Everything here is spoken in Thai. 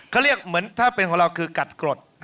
เขาเรียกเหมือนถ้าเป็นของเราคือกัดกรด